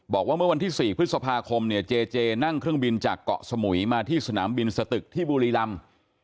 บอกว่าเมื่อวันที่๔พฤษภาคมเนี่ยเจเจนั่งเครื่องบินจากเกาะสมุยมาที่สนามบินสตึกที่บุรีรำ